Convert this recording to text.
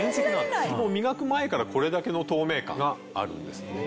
もう磨く前からこれだけの透明感があるんですよね。